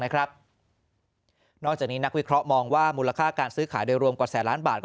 นอกจากนี้นักวิเคราะห์มองว่ามูลค่าการซื้อขายโดยรวมกว่าแสนล้านบาท